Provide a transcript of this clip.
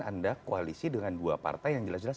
anda koalisi dengan dua partai yang jelas jelas